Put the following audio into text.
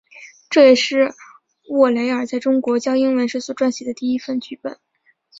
这也是沃雷尔在中国教英文时所撰写的第一份剧本。